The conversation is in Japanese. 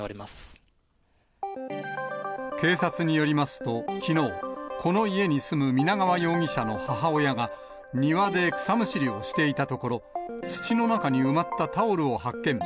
警察によりますと、きのう、この家に住む皆川容疑者の母親が、庭で草むしりをしていたところ、土の中に埋まったタオルを発見。